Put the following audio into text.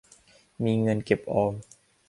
มีเงินเก็บเงินออม